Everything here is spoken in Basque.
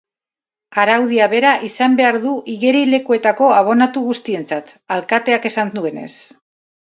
Araudia bera izan behar du igerilekuetako abonatu guztientzat, alkateak esan duenez.